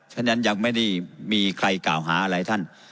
ฉะนั้นยังไม่ได้มีใครกล่าวหาอะไรท่าน